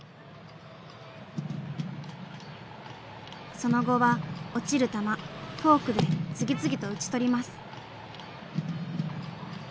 その後は落ちる球フォークで次々と打ち取ります。